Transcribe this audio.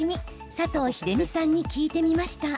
佐藤秀美さんに聞いてみました。